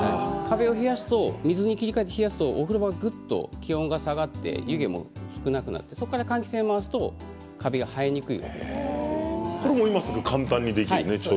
水に切り替えて冷やすとお風呂場がぐっと気温が下がって湯気も少なくなってそこから換気扇を回すとカビが生えにくくなります。